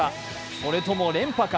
それとも連覇か。